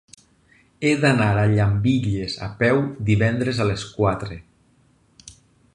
He d'anar a Llambilles a peu divendres a les quatre.